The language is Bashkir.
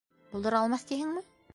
Булдыра алмаҫ тиһеңме?